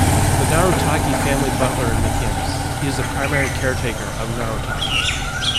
The Narutaki family butler and mechanic, he is the primary caretaker of Narutaki.